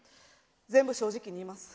全部正直に言います。